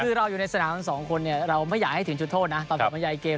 คือเราอยู่ในสนามทั้งสองคนเนี่ยเราไม่อยากให้ถึงจุดโทษนะตอนผลบรรยายเกม